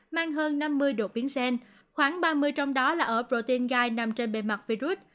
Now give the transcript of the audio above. mang hơn năm mươi độ biến gen khoảng ba mươi trong đó là ở protein gai nằm trên bề mặt virus